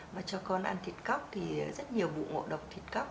và cho con ăn thịt cóc thì rất nhiều vụ ngộ độc thịt cóc